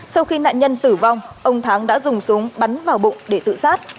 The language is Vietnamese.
sau khi nạn nhân tử vong ông thắng đã dùng súng bắn vào bụng để tự sát